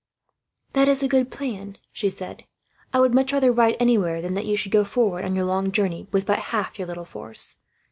"That is a good plan," she said. "I would much rather hide anywhere, than that you should go forward on your long journey with but half your little force.